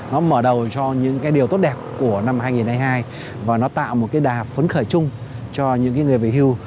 nó mở đầu cho những cái điều tốt đẹp của năm hai nghìn hai mươi hai và nó tạo một cái đà phấn khởi chung cho những người về hưu